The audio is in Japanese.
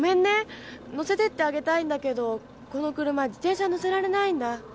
乗せてってあげたいんだけどこの車自転車乗せられないんだ。